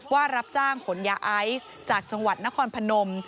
ว่ารับจ้างขนยาไอซ์จากจังหวัดนครพนม